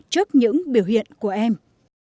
trước những biểu hiện của em